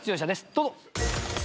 どうぞ。